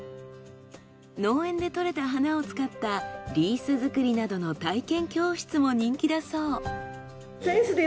農園で採れた花を使ったリース作りなどの体験教室も人気だそう。